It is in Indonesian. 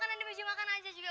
kan anak anaknya makan aja sieht